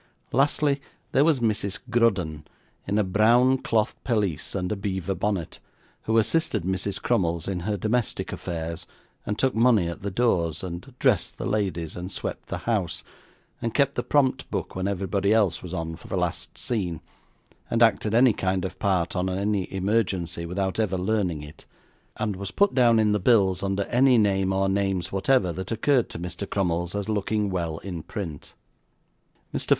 Lastly, there was Mrs. Grudden in a brown cloth pelisse and a beaver bonnet, who assisted Mrs. Crummles in her domestic affairs, and took money at the doors, and dressed the ladies, and swept the house, and held the prompt book when everybody else was on for the last scene, and acted any kind of part on any emergency without ever learning it, and was put down in the bills under any name or names whatever, that occurred to Mr. Crummles as looking well in print. Mr.